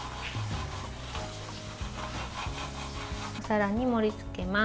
お皿に盛りつけます。